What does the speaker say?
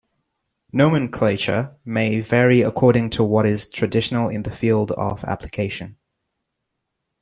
Nomenclature may vary according to what is traditional in the field of application.